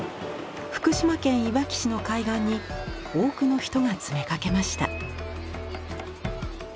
福島県いわき市の海岸に多くの人が詰めかけました。